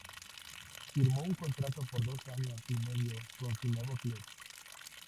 Firmó un contrato por dos años y medio con su nuevo club.